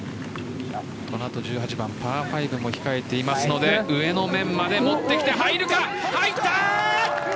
この後、１８番パー５も控えていますので上の面まで持ってきて、入るか入った！